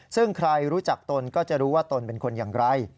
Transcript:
ซึ่งใครรู้จักตนก็จะรู้ว่าตนเป็นคนอย่างไร